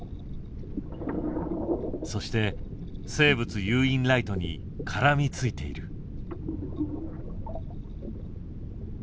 そして生物誘引ライトに絡みついている。